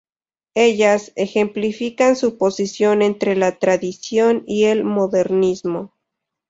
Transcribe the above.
Ellas "ejemplifican su posición entre la tradición y el modernismo".